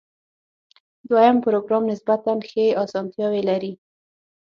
دویم پروګرام نسبتاً ښې آسانتیاوې لري.